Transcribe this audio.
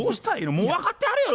もう分かってはるよ